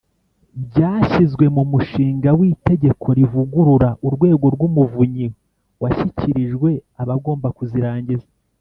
Byashyizwe mu mushinga w’Itegeko rivugurura Urwego rw’Umuvunyi washyikirijwe abagomba kuzirangiza